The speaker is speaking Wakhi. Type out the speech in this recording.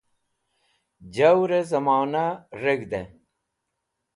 Jawrẽ zẽmona reg̃hdẽ